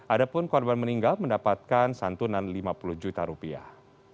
adapun korban meninggal mendapatkan santunan lima puluh juta rupiah